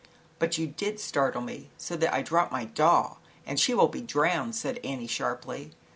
"But, you did startle me, so that I dropped my doll and she will be drowned," said An nie, sharply.